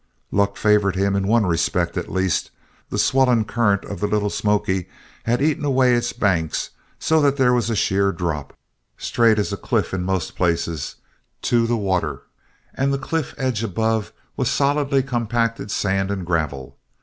Luck favored him in one respect at least. The swollen current of the Little Smoky had eaten away its banks so that there was a sheer drop, straight as a cliff in most places, to the water, and the cliff edge above was solidly compacted sand and gravel.